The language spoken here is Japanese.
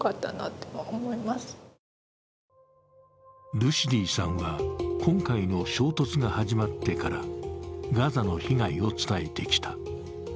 ルシディさんは今回の衝突が始まってからガザの被害を伝えてきた。